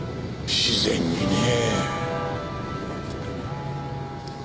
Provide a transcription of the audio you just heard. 自然にねえ。